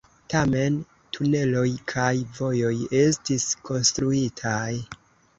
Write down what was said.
Tamen, tuneloj kaj vojoj estis konstruitaj.